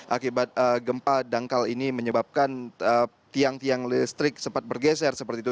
akibat gempa dangkal ini menyebabkan tiang tiang listrik sempat bergeser seperti itu